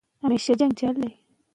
هغوی غواړي په خپلو پښو ودرېږي.